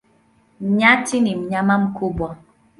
Nyati ni mnyama mkubwa.